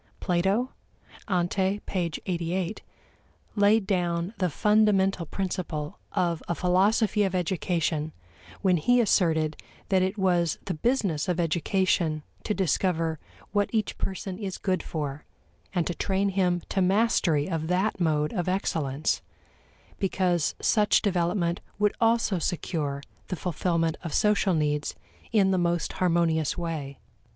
Plato (ante, p. 88) laid down the fundamental principle of a philosophy of education when he asserted that it was the business of education to discover what each person is good for, and to train him to mastery of that mode of excellence, because such development would also secure the fulfillment of social needs in the most harmonious way.